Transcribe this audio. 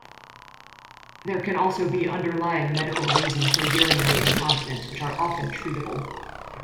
There can also be underlying medical reasons for urinary incontinence which are often treatable.